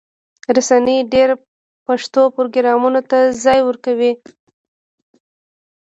رسنۍ دې پښتو پروګرامونو ته ځای ورکړي.